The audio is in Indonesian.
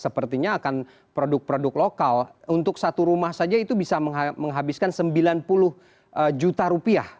sepertinya akan produk produk lokal untuk satu rumah saja itu bisa menghabiskan sembilan puluh juta rupiah